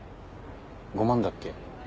５万だっけ？